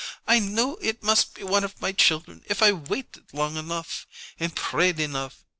I knew it must be one of my children if I waited long enough and prayed enough.